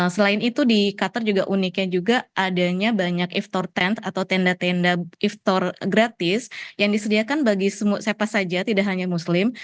selain itu di qatar juga uniknya juga adanya banyak iftore sepuluh atau tenda tenda iftore gratis yang disediakan bagi semua siapa saja tidak hanya muslim